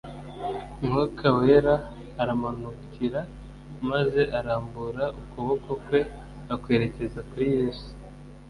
Mwuka Wera aramumanukira, maze arambura ukuboko kwe akwerekeza kuri Yesu